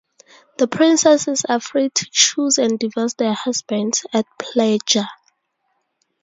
The princesses are free to choose and divorce their husbands at pleasure.